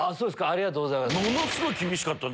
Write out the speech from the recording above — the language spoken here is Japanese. ありがとうございます。